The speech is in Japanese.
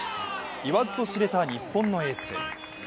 言わずと知れた日本のエース。